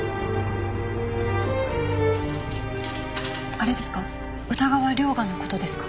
あれですか？